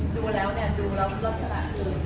ดูแล้วเนี่ยดูแล้วรอดสละ